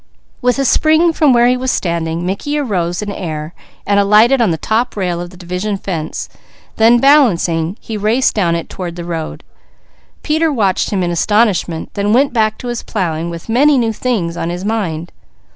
With a spring from where he was standing Mickey arose in air, alighted on the top rail of the division fence, then balancing, he raced down it toward the road. Peter watched him in astonishment, then went back to his plowing with many new things on his mind.